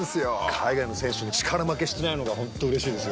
海外の選手に力負けしてないのが本当うれしいですよね。